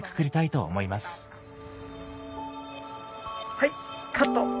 はいカット。